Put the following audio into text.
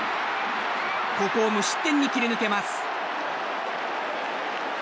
ここを無失点に切り抜けます。